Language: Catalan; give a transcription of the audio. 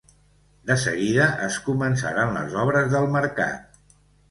De seguida, es començaren les obres del mercat.